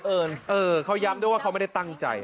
เขาย้ำด้วยว่าเขาไม่ได้ตั้งใจ